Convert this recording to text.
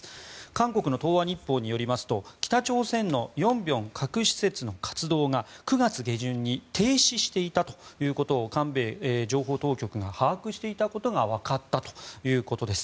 韓国の東亜日報によりますと北朝鮮の寧辺核施設の活動が９月下旬に停止していたということを韓米情報当局が把握していたことがわかったということです。